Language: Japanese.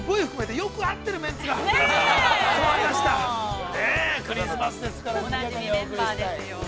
◆おなじみメンバーですよ。